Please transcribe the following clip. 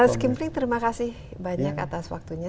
sekimpling terima kasih banyak atas waktunya